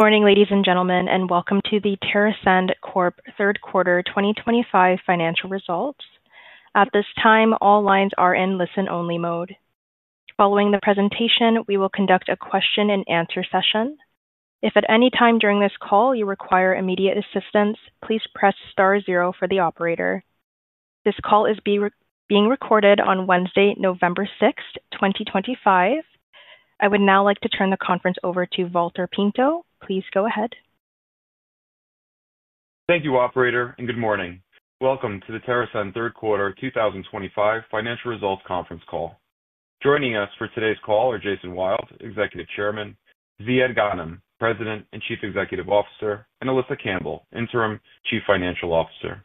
Morning, ladies and gentlemen, and welcome to the TerrAscend third quarter 2025 financial results. At this time, all lines are in listen-only mode. Following the presentation, we will conduct a question-and-answer session. If at any time during this call you require immediate assistance, please press star zero for the operator. This call is being recorded on Wednesday, November 6th, 2025. I would now like to turn the conference over to Walter Pinto. Please go ahead. Thank you, Operator, and good morning. Welcome to the TerrAscend third quarter 2025 financial results conference call. Joining us for today's call are Jason Wild, Executive Chairman; Ziad Ghanem, President and Chief Executive Officer; and Alisa Campbell, Interim Chief Financial Officer.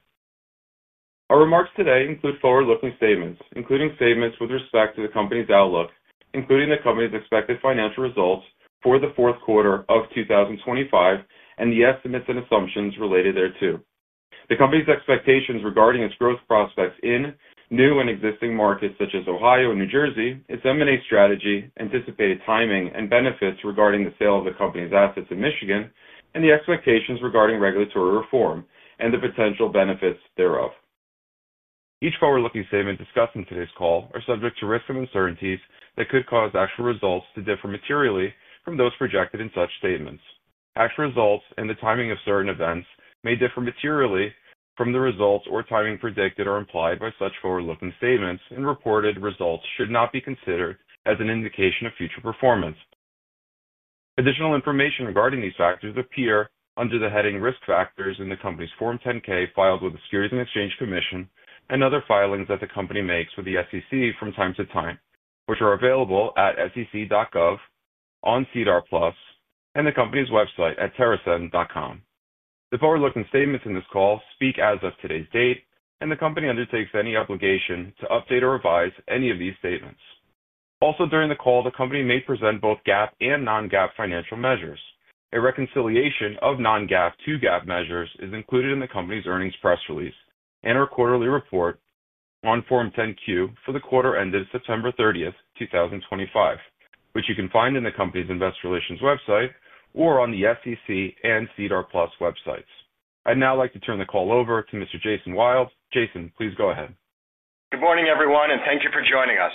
Our remarks today include forward-looking statements, including statements with respect to the company's outlook, including the company's expected financial results for the fourth quarter of 2025 and the estimates and assumptions related thereto. The company's expectations regarding its growth prospects in new and existing markets such as Ohio and New Jersey, its M&A strategy, anticipated timing and benefits regarding the sale of the company's assets in Michigan, and the expectations regarding regulatory reform and the potential benefits thereof. Each forward-looking statement discussed in today's call is subject to risks and uncertainties that could cause actual results to differ materially from those projected in such statements. Actual results and the timing of certain events may differ materially from the results or timing predicted or implied by such forward-looking statements, and reported results should not be considered as an indication of future performance. Additional information regarding these factors appears under the heading Risk Factors in the company's Form 10-K filed with the Securities and Exchange Commission and other filings that the company makes with the SEC from time to time, which are available at sec.gov, on SEDAR+ and the company's website at terrascend.com. The forward-looking statements in this call speak as of today's date, and the company undertakes no obligation to update or revise any of these statements. Also, during the call, the company may present both GAAP and non-GAAP financial measures. A reconciliation of non-GAAP to GAAP measures is included in the company's earnings press release and quarterly report. On Form 10-Q for the quarter ended September 30, 2025, which you can find in the company's Investor Relations website or on the SEC and SEDAR+ websites. I'd now like to turn the call over to Mr. Jason Wild. Jason, please go ahead. Good morning, everyone, and thank you for joining us.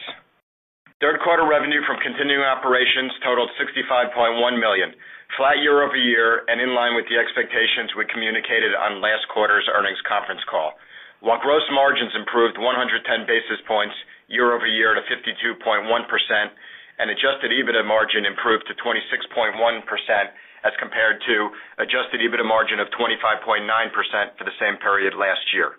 Third quarter revenue from continuing operations totaled $65.1 million, flat year-over-year, and in line with the expectations we communicated on last quarter's earnings conference call. While gross margins improved 110 basis points year-over-year to 52.1%, and adjusted EBITDA margin improved to 26.1% as compared to an adjusted EBITDA margin of 25.9% for the same period last year.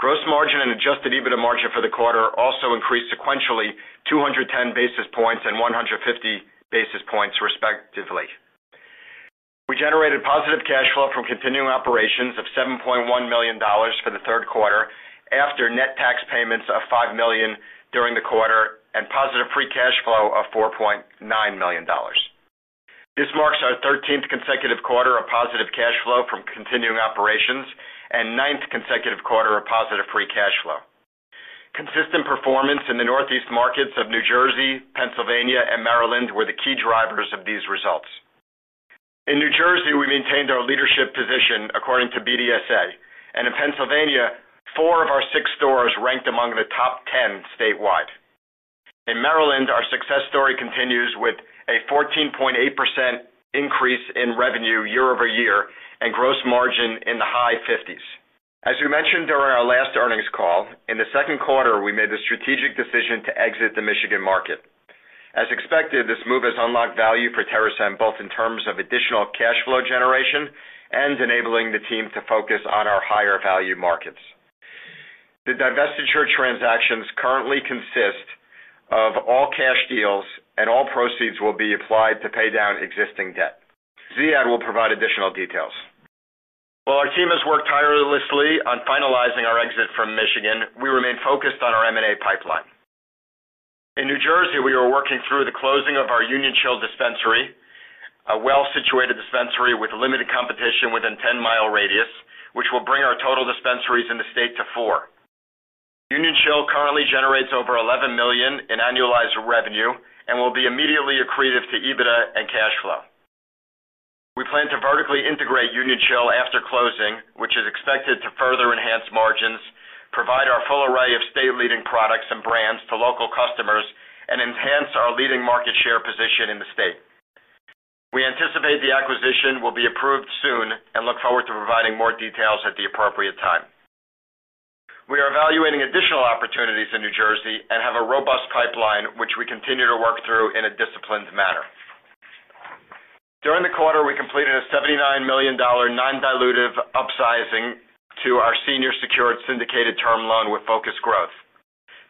Gross margin and adjusted EBITDA margin for the quarter also increased sequentially 210 basis points and 150 basis points, respectively. We generated positive cash flow from continuing operations of $7.1 million for the third quarter after net tax payments of $5 million during the quarter and positive free cash flow of $4.9 million. This marks our 13th consecutive quarter of positive cash flow from continuing operations and 9th consecutive quarter of positive free cash flow. Consistent performance in the Northeast markets of New Jersey, Pennsylvania, and Maryland were the key drivers of these results. In New Jersey, we maintained our leadership position according to BDSA, and in Pennsylvania, four of our six stores ranked among the top 10 statewide. In Maryland, our success story continues with a 14.8% increase in revenue year-over-year and gross margin in the high 50s. As we mentioned during our last earnings call, in the second quarter, we made the strategic decision to exit the Michigan market. As expected, this move has unlocked value for TerrAscend both in terms of additional cash flow generation and enabling the team to focus on our higher value markets. The divestiture transactions currently consist of all cash deals, and all proceeds will be applied to pay down existing debt. Ziad will provide additional details. While our team has worked tirelessly on finalizing our exit from Michigan, we remain focused on our M&A pipeline. In New Jersey, we are working through the closing of our Union Shield dispensary, a well-situated dispensary with limited competition within a 10 mi radius, which will bring our total dispensaries in the state to four. Union Shield currently generates over $11 million in annualized revenue and will be immediately accretive to EBITDA and cash flow. We plan to vertically integrate Union Shield after closing, which is expected to further enhance margins, provide our full array of state-leading products and brands to local customers, and enhance our leading market share position in the state. We anticipate the acquisition will be approved soon and look forward to providing more details at the appropriate time. We are evaluating additional opportunities in New Jersey and have a robust pipeline, which we continue to work through in a disciplined manner. During the quarter, we completed a $79 million non-dilutive upsizing to our senior-secured syndicated term loan with Focused Growth.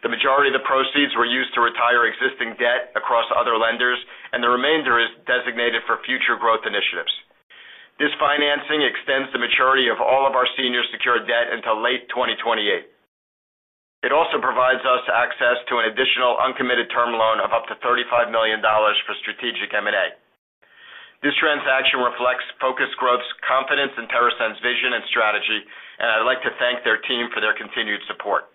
The majority of the proceeds were used to retire existing debt across other lenders, and the remainder is designated for future growth initiatives. This financing extends the maturity of all of our senior-secured debt until late 2028. It also provides us access to an additional uncommitted term loan of up to $35 million for strategic M&A. This transaction reflects Focused Growth's confidence in TerrAscend's vision and strategy, and I'd like to thank their team for their continued support.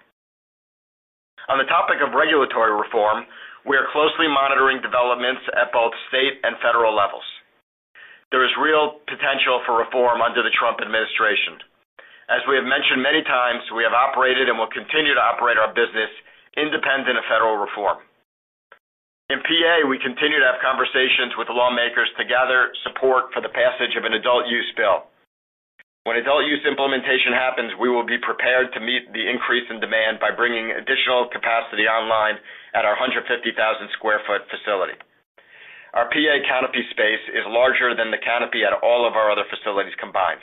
On the topic of regulatory reform, we are closely monitoring developments at both state and federal levels. There is real potential for reform under the Trump administration. As we have mentioned many times, we have operated and will continue to operate our business independent of federal reform. In PA, we continue to have conversations with lawmakers to gather support for the passage of an adult use bill. When adult use implementation happens, we will be prepared to meet the increase in demand by bringing additional capacity online at our 150,000 sq ft facility. Our PA canopy space is larger than the canopy at all of our other facilities combined.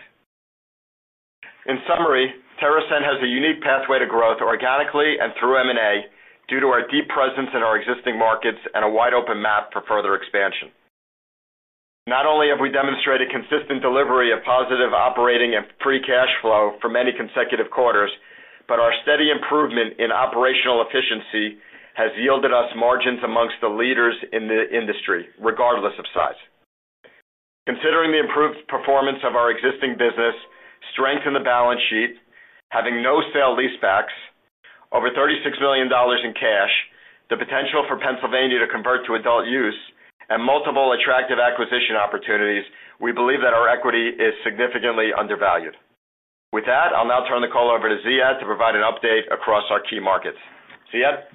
In summary, TerrAscend has a unique pathway to growth organically and through M&A due to our deep presence in our existing markets and a wide-open map for further expansion. Not only have we demonstrated consistent delivery of positive operating and free cash flow for many consecutive quarters, but our steady improvement in operational efficiency has yielded us margins amongst the leaders in the industry, regardless of size. Considering the improved performance of our existing business, strength in the balance sheet, having no sale leasebacks, over $36 million in cash, the potential for Pennsylvania to convert to adult use, and multiple attractive acquisition opportunities, we believe that our equity is significantly undervalued. With that, I'll now turn the call over to Ziad to provide an update across our key markets. Ziad?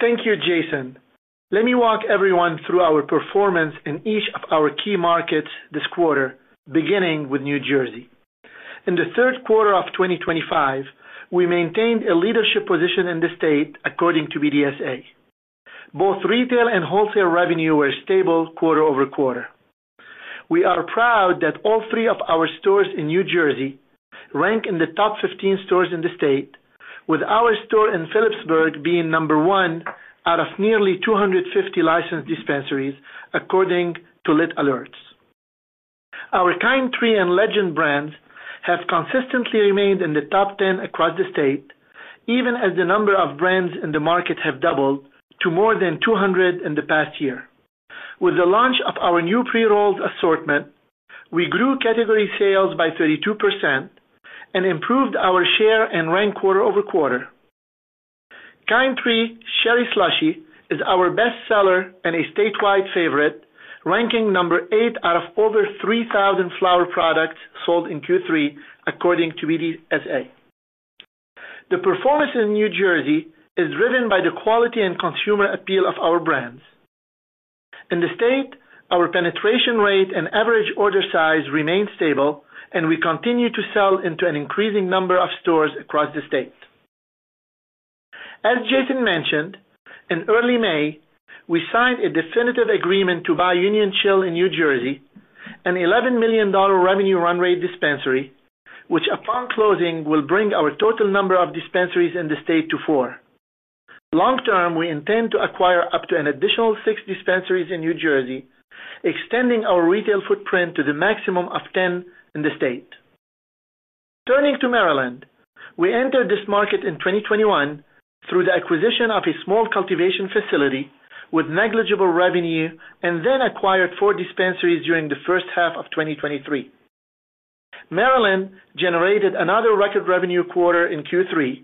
Thank you, Jason. Let me walk everyone through our performance in each of our key markets this quarter, beginning with New Jersey. In the third quarter of 2025, we maintained a leadership position in the state according to BDSA. Both retail and wholesale revenue were stable quarter-over-quarter. We are proud that all three of our stores in New Jersey rank in the top 15 stores in the state, with our store in Phillipsburg being number one out of nearly 250 licensed dispensaries according to Lit Alerts. Our Country and Legend brands have consistently remained in the top 10 across the state, even as the number of brands in the market has doubled to more than 200 in the past year. With the launch of our new Pre-Rolled Assortment, we grew category sales by 32% and improved our share and rank quarter-over-quarter. Country Cherry Slushy is our best seller and a statewide favorite, ranking number eight out of over 3,000 flower products sold in Q3 according to BDSA. The performance in New Jersey is driven by the quality and consumer appeal of our brands. In the state, our penetration rate and average order size remain stable, and we continue to sell into an increasing number of stores across the state. As Jason mentioned, in early May, we signed a definitive agreement to buy Union Shield in New Jersey, an $11 million revenue-run rate dispensary, which upon closing will bring our total number of dispensaries in the state to four. Long term, we intend to acquire up to an additional six dispensaries in New Jersey, extending our retail footprint to the maximum of 10 in the state. Turning to Maryland, we entered this market in 2021 through the acquisition of a small cultivation facility with negligible revenue and then acquired four dispensaries during the first half of 2023. Maryland generated another record revenue quarter in Q3,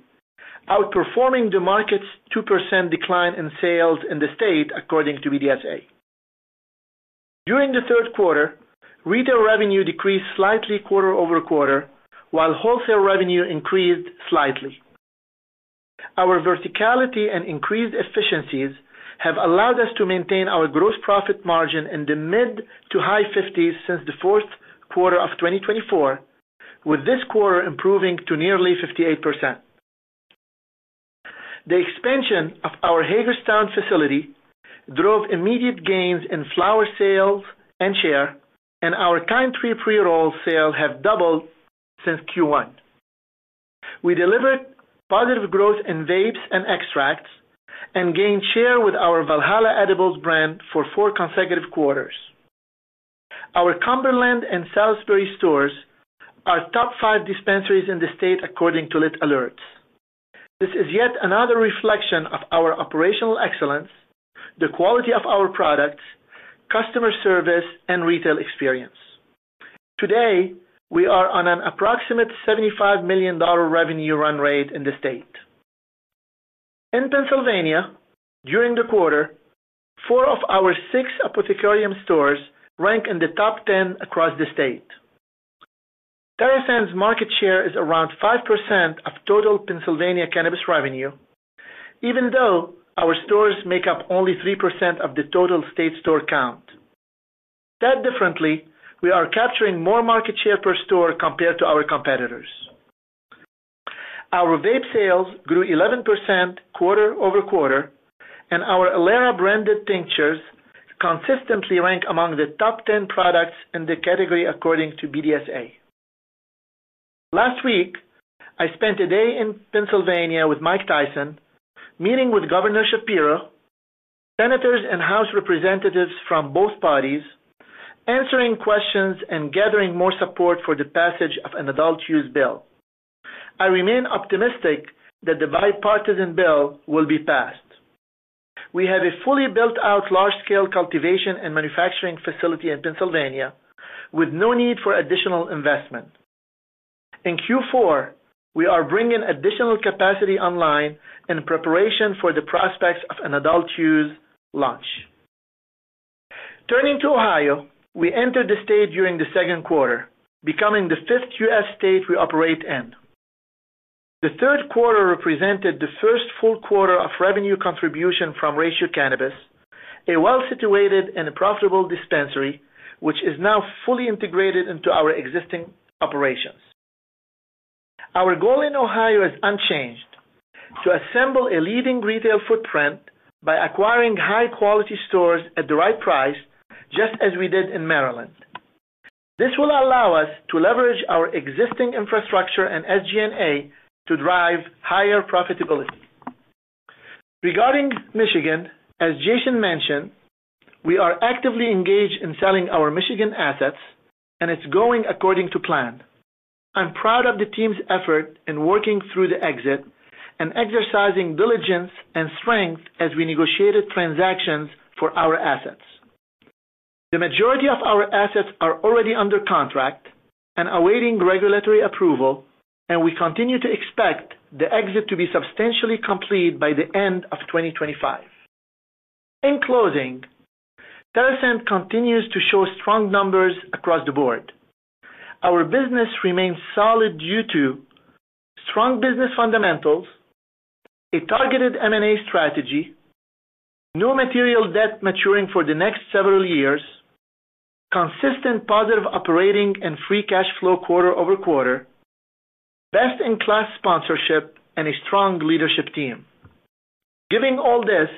outperforming the market's 2% decline in sales in the state according to BDSA. During the third quarter, retail revenue decreased slightly quarter-over-quarter, while wholesale revenue increased slightly. Our verticality and increased efficiencies have allowed us to maintain our gross profit margin in the mid to high 50s since the fourth quarter of 2024, with this quarter improving to nearly 58%. The expansion of our Hagerstown facility drove immediate gains in flower sales and share, and our Country pre-roll sale has doubled since Q1. We delivered positive growth in vapes and extracts and gained share with our Valhalla Edibles brand for four consecutive quarters. Our Cumberland and Salisbury stores are top five dispensaries in the state according to Lit Alerts. This is yet another reflection of our operational excellence, the quality of our products, customer service, and retail experience. Today, we are on an approximate $75 million revenue-run rate in the state. In Pennsylvania, during the quarter, four of our six Apothecarium stores rank in the top 10 across the state. TerrAscend's market share is around 5% of total Pennsylvania cannabis revenue, even though our stores make up only 3% of the total state store count. Said differently, we are capturing more market share per store compared to our competitors. Our vape sales grew 11% quarter-over-quarter, and our Alera branded tinctures consistently rank among the top 10 products in the category according to BDSA. Last week, I spent a day in Pennsylvania with Mike Tyson, meeting with Governor Shapiro. Senators and House representatives from both parties, answering questions and gathering more support for the passage of an adult use bill. I remain optimistic that the bipartisan bill will be passed. We have a fully built-out large-scale cultivation and manufacturing facility in Pennsylvania with no need for additional investment. In Q4, we are bringing additional capacity online in preparation for the prospects of an adult use launch. Turning to Ohio, we entered the state during the second quarter, becoming the fifth U.S. state we operate in. The third quarter represented the first full quarter of revenue contribution from Rachel Cannabis, a well-situated and profitable dispensary which is now fully integrated into our existing operations. Our goal in Ohio is unchanged: to assemble a leading retail footprint by acquiring high-quality stores at the right price, just as we did in Maryland. This will allow us to leverage our existing infrastructure and SG&A to drive higher profitability. Regarding Michigan, as Jason mentioned, we are actively engaged in selling our Michigan assets, and it's going according to plan. I'm proud of the team's effort in working through the exit and exercising diligence and strength as we negotiated transactions for our assets. The majority of our assets are already under contract and awaiting regulatory approval, and we continue to expect the exit to be substantially complete by the end of 2025. In closing, TerrAscend continues to show strong numbers across the board. Our business remains solid due to strong business fundamentals, a targeted M&A strategy, no material debt maturing for the next several years, consistent positive operating and free cash flow quarter-over-quarter, best-in-class sponsorship, and a strong leadership team. Given all this,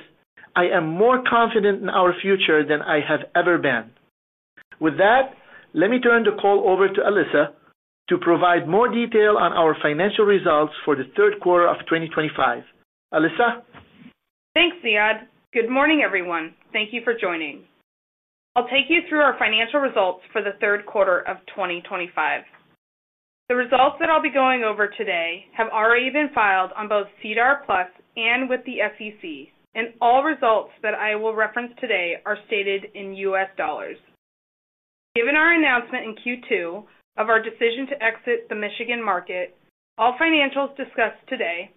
I am more confident in our future than I have ever been. With that, let me turn the call over to Alisa to provide more detail on our financial results for the third quarter of 2025. Alisa. Thanks, Ziad. Good morning, everyone. Thank you for joining. I'll take you through our financial results for the third quarter of 2025. The results that I'll be going over today have already been filed on both SEDAR+ and with the SEC, and all results that I will reference today are stated in U.S. dollars. Given our announcement in Q2 of our decision to exit the Michigan market, all financials discussed today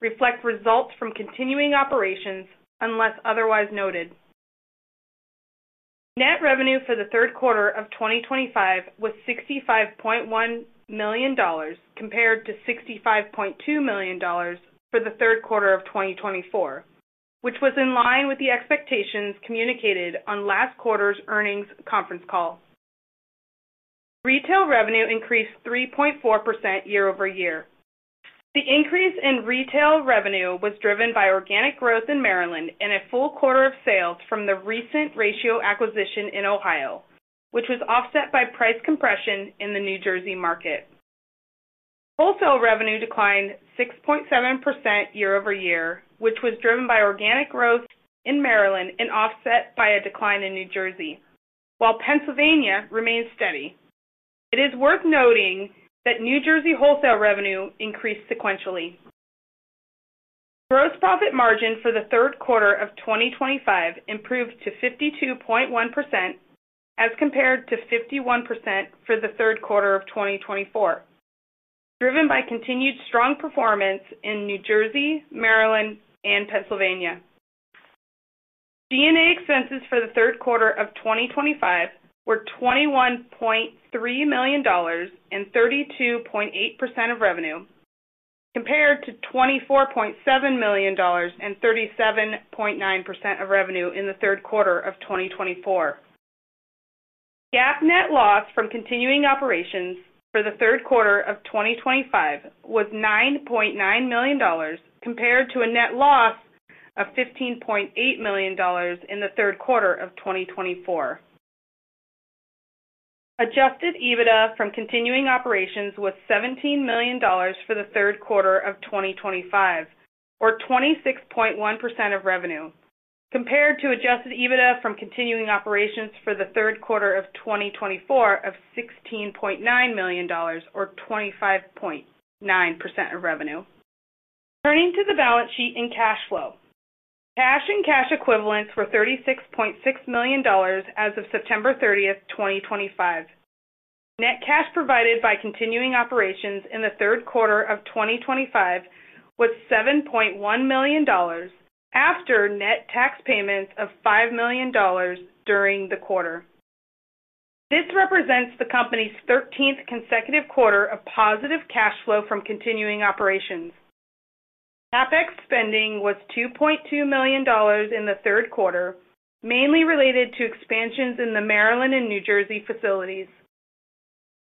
reflect results from continuing operations unless otherwise noted. Net revenue for the third quarter of 2025 was $65.1 million compared to $65.2 million for the third quarter of 2024, which was in line with the expectations communicated on last quarter's earnings conference call. Retail revenue increased 3.4% year-over-year. The increase in retail revenue was driven by organic growth in Maryland and a full quarter of sales from the recent Rachel acquisition in Ohio, which was offset by price compression in the New Jersey market. Wholesale revenue declined 6.7% year-over-year, which was driven by organic growth in Maryland and offset by a decline in New Jersey, while Pennsylvania remained steady. It is worth noting that New Jersey wholesale revenue increased sequentially. Gross profit margin for the third quarter of 2025 improved to 52.1%, as compared to 51% for the third quarter of 2024, driven by continued strong performance in New Jersey, Maryland, and Pennsylvania. G&A expenses for the third quarter of 2025 were $21.3 million and 32.8% of revenue, compared to $24.7 million and 37.9% of revenue in the third quarter of 2024. GAAP net loss from continuing operations for the third quarter of 2025 was $9.9 million compared to a net loss of $15.8 million in the third quarter of 2024. Adjusted EBITDA from continuing operations was $17 million for the third quarter of 2025, or 26.1% of revenue, compared to adjusted EBITDA from continuing operations for the third quarter of 2024 of $16.9 million, or 25.9% of revenue. Turning to the balance sheet and cash flow. Cash and cash equivalents were $36.6 million as of September 30, 2025. Net cash provided by continuing operations in the third quarter of 2025 was $7.1 million after net tax payments of $5 million during the quarter. This represents the company's 13th consecutive quarter of positive cash flow from continuing operations. CapEx spending was $2.2 million in the third quarter, mainly related to expansions in the Maryland and New Jersey facilities.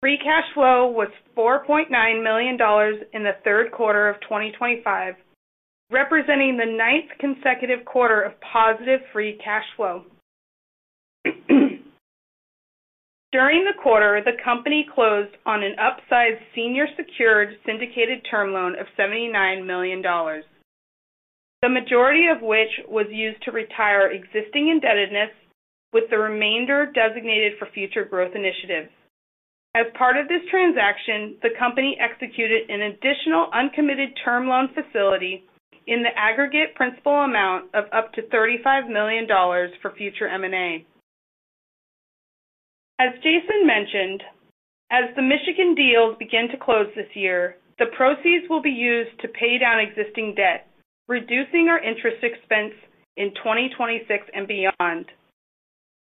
Free cash flow was $4.9 million in the third quarter of 2025, representing the ninth consecutive quarter of positive free cash flow. During the quarter, the company closed on an upsized senior secured syndicated term loan of $79 million, the majority of which was used to retire existing indebtedness, with the remainder designated for future growth initiatives. As part of this transaction, the company executed an additional uncommitted term loan facility in the aggregate principal amount of up to $35 million for future M&A. As Jason mentioned, as the Michigan deals begin to close this year, the proceeds will be used to pay down existing debt, reducing our interest expense in 2026 and beyond.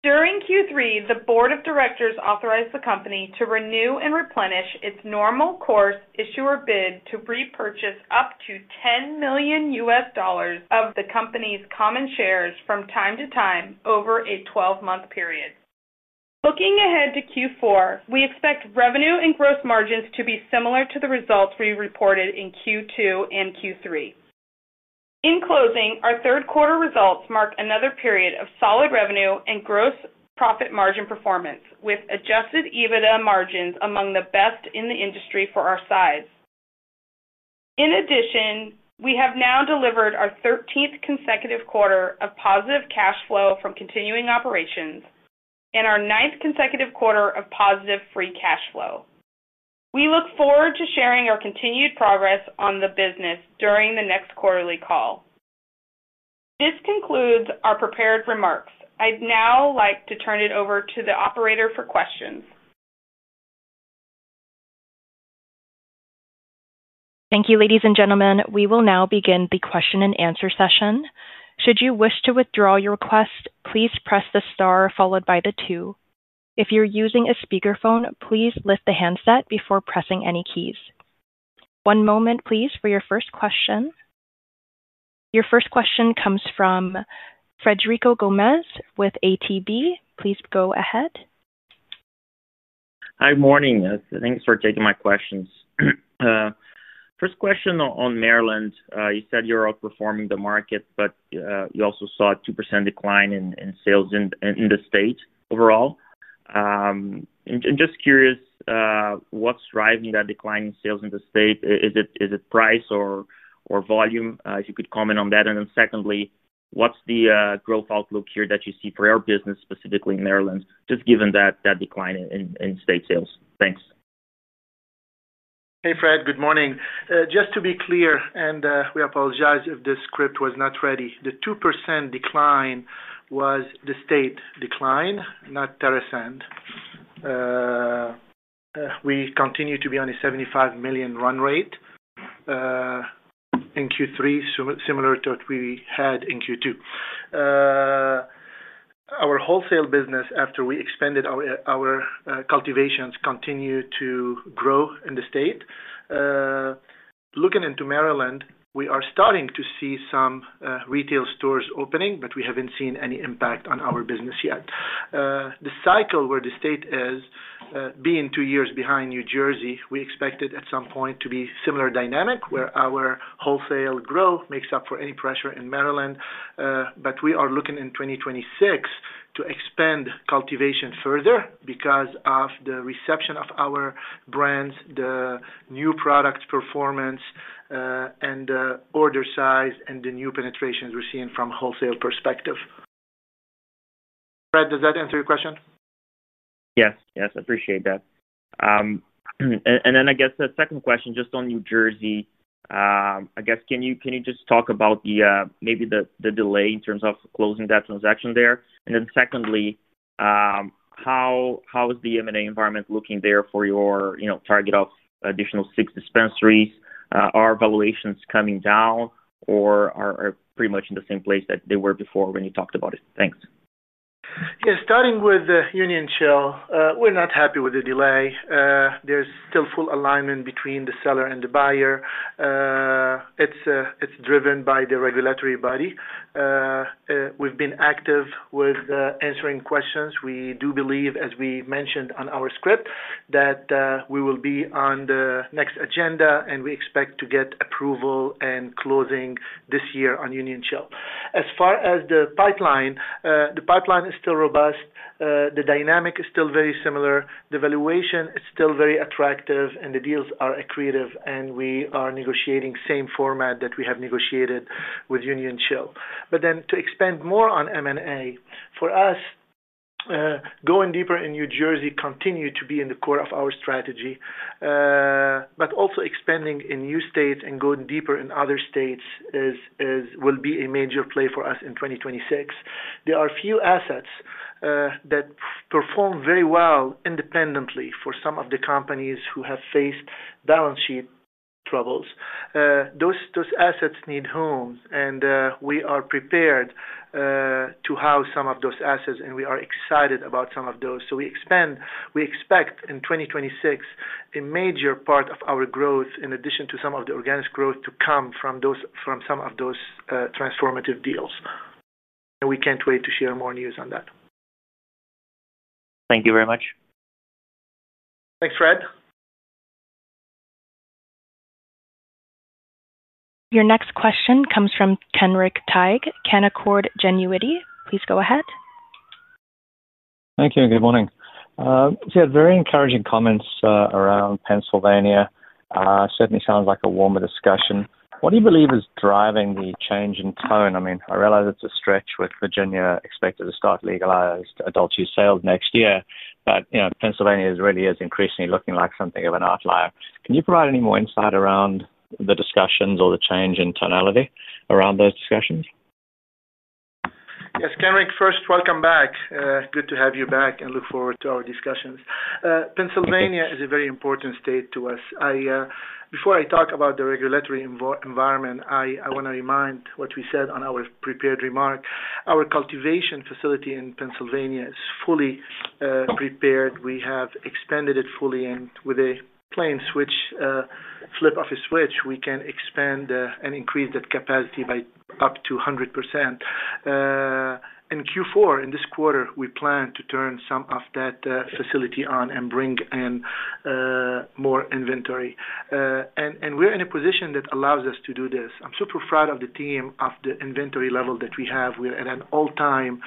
During Q3, the board of directors authorized the company to renew and replenish its normal course issuer bid to repurchase up to $10 million U.S. dollars of the company's common shares from time to time over a 12-month period. Looking ahead to Q4, we expect revenue and gross margins to be similar to the results we reported in Q2 and Q3. In closing, our third quarter results mark another period of solid revenue and gross profit margin performance, with adjusted EBITDA margins among the best in the industry for our size. In addition, we have now delivered our 13th consecutive quarter of positive cash flow from continuing operations and our ninth consecutive quarter of positive free cash flow. We look forward to sharing our continued progress on the business during the next quarterly call. This concludes our prepared remarks. I'd now like to turn it over to the operator for questions. Thank you, ladies and gentlemen. We will now begin the question and answer session. Should you wish to withdraw your request, please press the star followed by the two. If you're using a speakerphone, please lift the handset before pressing any keys. One moment, please, for your first question. Your first question comes from Frederico Gomes with ATB. Please go ahead. Hi, morning. Thanks for taking my questions. First question on Maryland. You said you're outperforming the market, but you also saw a 2% decline in sales in the state overall. I'm just curious. What's driving that decline in sales in the state? Is it price or volume? If you could comment on that. Secondly, what's the growth outlook here that you see for your business, specifically in Maryland, just given that decline in state sales? Thanks. Hey, Fred. Good morning. Just to be clear, and we apologize if this script was not ready, the 2% decline was the state decline, not TerrAscend. We continue to be on a $75 million run rate. In Q3, similar to what we had in Q2. Our wholesale business, after we expanded our cultivations, continued to grow in the state. Looking into Maryland, we are starting to see some retail stores opening, but we have not seen any impact on our business yet. The cycle where the state is. Being two years behind New Jersey, we expected at some point to be a similar dynamic where our wholesale growth makes up for any pressure in Maryland. We are looking in 2026 to expand cultivation further because of the reception of our brands, the new product performance. The order size and the new penetrations we are seeing from a wholesale perspective. Fred, does that answer your question? Yes. Yes. I appreciate that. I guess the second question, just on New Jersey. I guess, can you just talk about maybe the delay in terms of closing that transaction there? Secondly, how is the M&A environment looking there for your target of additional six dispensaries? Are valuations coming down or are they pretty much in the same place that they were before when you talked about it? Thanks. Yeah. Starting with Union Shield, we're not happy with the delay. There's still full alignment between the seller and the buyer. It's driven by the regulatory body. We've been active with answering questions. We do believe, as we mentioned on our script, that we will be on the next agenda, and we expect to get approval and closing this year on Union Shield. As far as the pipeline, the pipeline is still robust. The dynamic is still very similar. The valuation is still very attractive, and the deals are accretive, and we are negotiating the same format that we have negotiated with Union Shield. To expand more on M&A, for us. Going deeper in New Jersey continues to be in the core of our strategy. Also expanding in new states and going deeper in other states will be a major play for us in 2026. There are a few assets that perform very well independently for some of the companies who have faced balance sheet troubles. Those assets need homes, and we are prepared to house some of those assets, and we are excited about some of those. We expect in 2026 a major part of our growth, in addition to some of the organic growth, to come from some of those transformative deals. We cannot wait to share more news on that. Thank you very much. Thanks, Fred. Your next question comes from Kendrick Tighe, Canaccord Genuity. Please go ahead. Thank you. Good morning. You had very encouraging comments around Pennsylvania. Certainly sounds like a warmer discussion. What do you believe is driving the change in tone? I mean, I realize it's a stretch with Virginia expected to start legalized adult use sales next year, but Pennsylvania really is increasingly looking like something of an outlier. Can you provide any more insight around the discussions or the change in tonality around those discussions? Yes. Kendrick, first, welcome back. Good to have you back and look forward to our discussions. Pennsylvania is a very important state to us. Before I talk about the regulatory environment, I want to remind what we said on our prepared remark. Our cultivation facility in Pennsylvania is fully prepared. We have expanded it fully, and with a plain switch. Flip of a switch, we can expand and increase that capacity by up to 100%. In Q4, in this quarter, we plan to turn some of that facility on and bring in more inventory. And we're in a position that allows us to do this. I'm super proud of the team of the inventory level that we have. We're at an all-time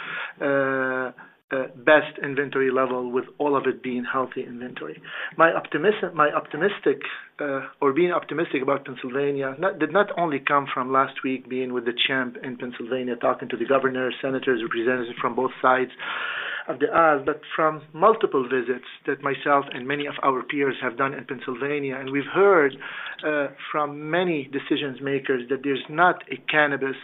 best inventory level, with all of it being healthy inventory. My optimistic. Being optimistic about Pennsylvania did not only come from last week being with the champ in Pennsylvania, talking to the governor, senators, representatives from both sides of the aisle, but from multiple visits that myself and many of our peers have done in Pennsylvania. We've heard from many decision-makers that there's not a cannabis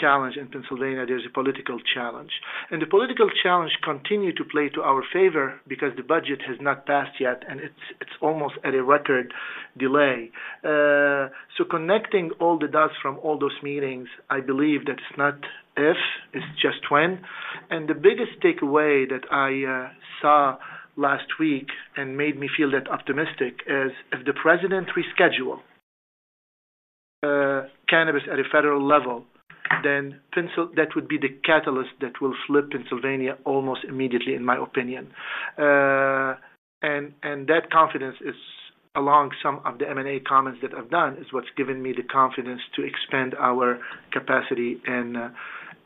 challenge in Pennsylvania. There's a political challenge. The political challenge continues to play to our favor because the budget has not passed yet, and it's almost at a record delay. Connecting all the dots from all those meetings, I believe that it's not if, it's just when. The biggest takeaway that I saw last week and made me feel that optimistic is if the president reschedules cannabis at a federal level, then that would be the catalyst that will flip Pennsylvania almost immediately, in my opinion. That confidence is along some of the M&A comments that I've done, is what's given me the confidence to expand our capacity in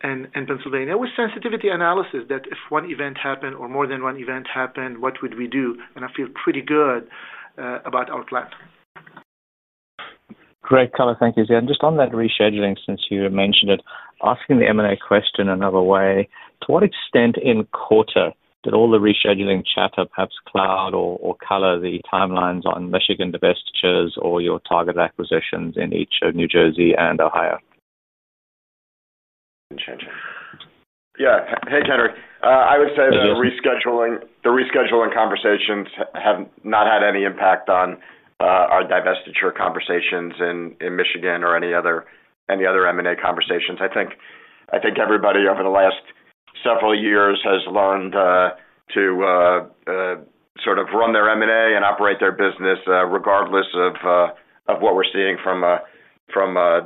Pennsylvania with sensitivity analysis that if one event happened or more than one event happened, what would we do? I feel pretty good about our plan. Great, Color. Thank you, Ziad. Just on that rescheduling, since you mentioned it, asking the M&A question another way, to what extent in quarter did all the rescheduling chatter, perhaps cloud or color, the timelines on Michigan divestitures or your target acquisitions in each of New Jersey and Ohio? Yeah. Hey, Kendrick. I would say the rescheduling conversations have not had any impact on our divestiture conversations in Michigan or any other M&A conversations. I think everybody over the last several years has learned to sort of run their M&A and operate their business regardless of what we're seeing from the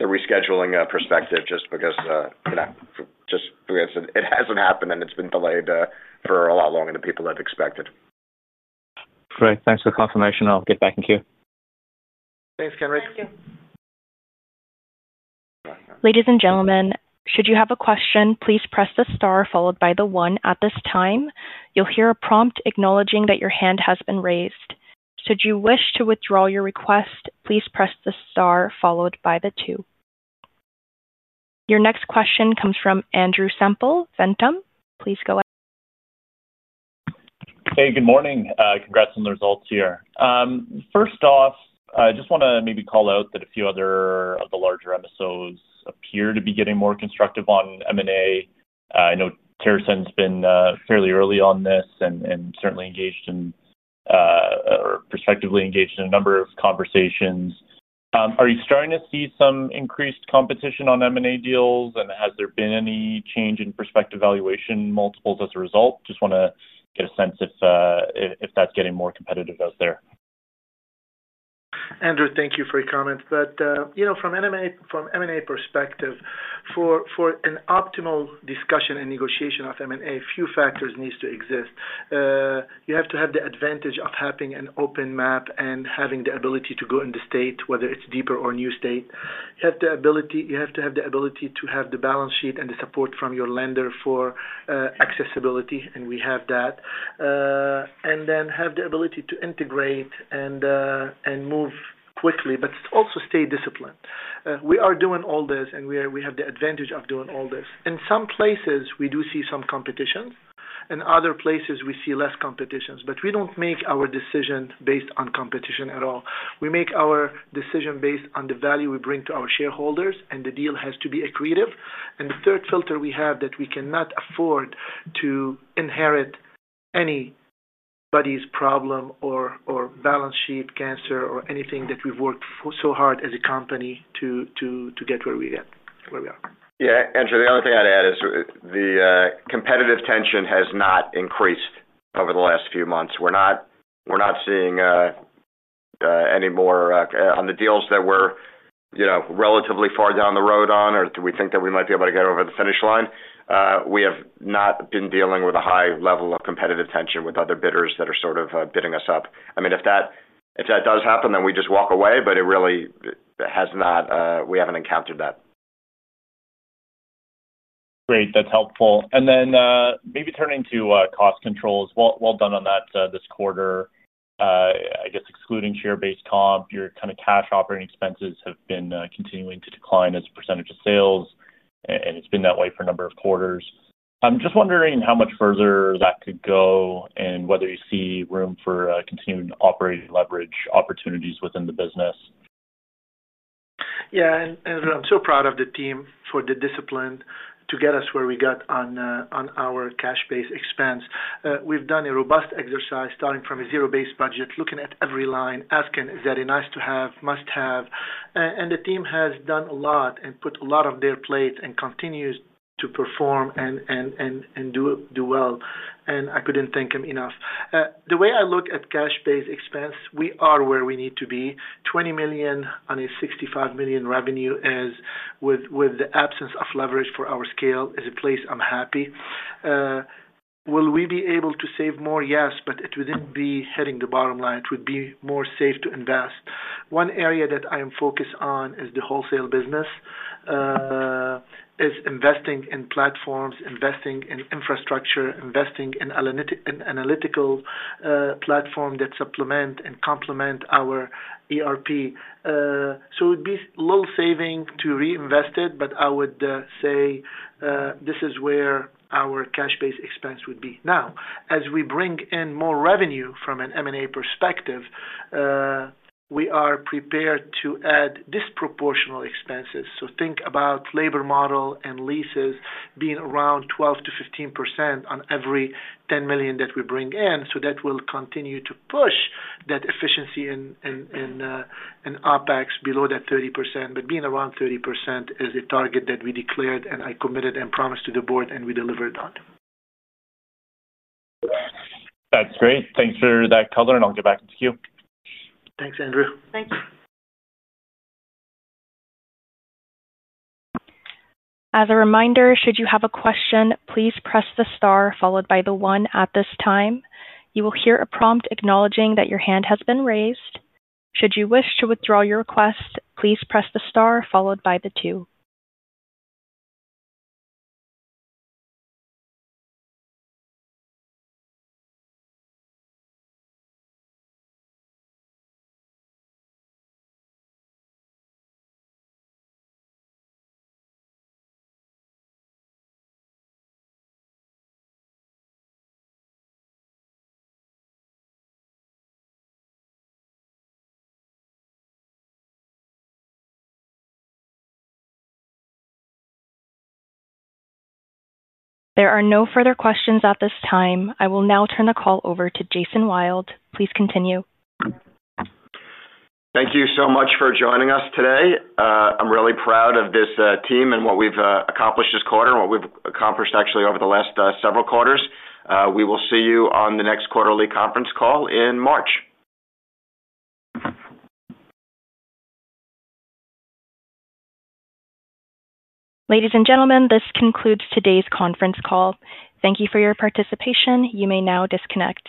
rescheduling perspective, just because it hasn't happened and it's been delayed for a lot longer than people have expected. Great. Thanks for the confirmation. I'll get back in queue. Thanks, Kendrick. Ladies and gentlemen, should you have a question, please press the star followed by the one at this time. You'll hear a prompt acknowledging that your hand has been raised. Should you wish to withdraw your request, please press the star followed by the two. Your next question comes from Andrew Semple, Ventum. Please go ahead. Hey, good morning. Congrats on the results here. First off, I just want to maybe call out that a few other of the larger episodes appear to be getting more constructive on M&A. I know TerrAscend's been fairly early on this and certainly engaged in. Or prospectively engaged in a number of conversations. Are you starting to see some increased competition on M&A deals, and has there been any change in prospective valuation multiples as a result? Just want to get a sense if. That's getting more competitive out there. Andrew, thank you for your comments. But from an M&A perspective, for an optimal discussion and negotiation of M&A, a few factors need to exist. You have to have the advantage of having an open map and having the ability to go in the state, whether it's deeper or new state. You have to have the ability to have the balance sheet and the support from your lender for accessibility, and we have that. And then have the ability to integrate and. Move quickly, but also stay disciplined. We are doing all this, and we have the advantage of doing all this. In some places, we do see some competition. In other places, we see less competition, but we don't make our decision based on competition at all. We make our decision based on the value we bring to our shareholders, and the deal has to be accretive. And the third filter we have that we cannot afford to inherit anybody's problem or balance sheet cancer or anything that we've worked so hard as a company to get where we are. Yeah. Andrew, the only thing I'd add is the competitive tension has not increased over the last few months. We're not seeing. Anymore on the deals that we're. Relatively far down the road on, or do we think that we might be able to get over the finish line? We have not been dealing with a high level of competitive tension with other bidders that are sort of bidding us up. I mean, if that. Does happen, then we just walk away, but it really has not. We haven't encountered that. Great. That's helpful. And then maybe turning to cost controls. Well done on that this quarter. I guess excluding share-based comp, your kind of cash operating expenses have been continuing to decline as a percentage of sales, and it's been that way for a number of quarters. I'm just wondering how much further that could go and whether you see room for continuing operating leverage opportunities within the business. Yeah. And I'm so proud of the team for the discipline to get us where we got on our cash-based expense. We've done a robust exercise starting from a zero-based budget, looking at every line, asking, "Is that a nice-to-have, must-have?" And the team has done a lot and put a lot on their plate and continues to perform and. Do well. And I couldn't thank them enough. The way I look at cash-based expense, we are where we need to be. 20 million on a 65 million revenue is, with the absence of leverage for our scale, is a place I'm happy. Will we be able to save more? Yes, but it wouldn't be hitting the bottom line. It would be more safe to invest. One area that I am focused on is the wholesale business. Is investing in platforms, investing in infrastructure, investing in an analytical. Platform that supplements and complements our ERP. So it would be a little saving to reinvest it, but I would say. This is where our cash-based expense would be. Now, as we bring in more revenue from an M&A perspective. We are prepared to add disproportional expenses. So think about labor model and leases being around 12%-15% percent on every 10 million that we bring in. So that will continue to push that efficiency in. OPEX below that 30%. But being around 30% is a target that we declared and I committed and promised to the board, and we delivered on. That's great. Thanks for that, color. I'll get back into queue. Thanks, Andrew. Thank you. As a reminder, should you have a question, please press the star followed by the one at this time. You will hear a prompt acknowledging that your hand has been raised. Should you wish to withdraw your request, please press the star followed by the two. There are no further questions at this time. I will now turn the call over to Jason Wild. Please continue. Thank you so much for joining us today. I'm really proud of this team and what we've accomplished this quarter and what we've accomplished actually over the last several quarters. We will see you on the next quarterly conference call in March. Ladies and gentlemen, this concludes today's conference call. Thank you for your participation. You may now disconnect.